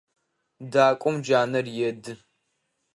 Дакӏом джанэр еды.